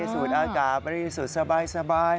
สูดอากาศสูดสบาย